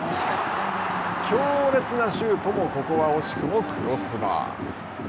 強烈なシュートもここは惜しくもクロスバー。